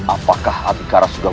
apakah atikara sudah